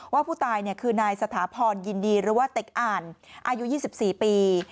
ว่าผู้ตายคือนายสถาพรยินดีหรือว่าเต็กอ่านอายุ๒๔ปี